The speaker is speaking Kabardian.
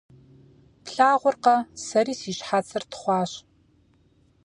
Плъагъуркъэ, сэри си щхьэцыр тхъуащ.